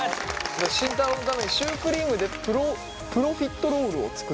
慎太郎のためにシュークリームでプロプロフィットロールを作ってみたということで。